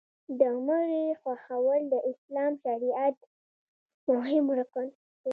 د مړي ښخول د اسلامي شریعت مهم رکن دی.